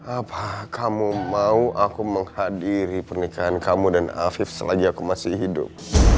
apa kamu mau aku menghadiri pernikahan kamu dan afif setelah aja aku masih hidup